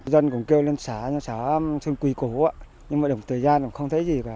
dân cũng kêu lên xã xã sơn quỳ cổ nhưng mà đồng thời gian cũng không thấy gì cả